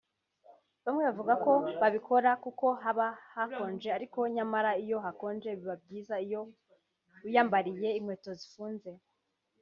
Bamwe bavuga ko babikora kuko haba hakonje ariko nyamara iyo hakonje biba byiza iyo wiyambariye inkweto zifunze